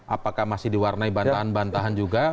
apakah masih diwarnai bantahan bantahan juga